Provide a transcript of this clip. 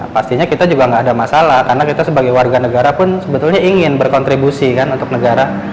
pastinya kita juga nggak ada masalah karena kita sebagai warga negara pun sebetulnya ingin berkontribusi kan untuk negara